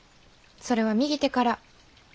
それは右手から。